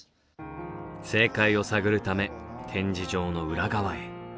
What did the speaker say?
正解を探るため展示場の裏側へ。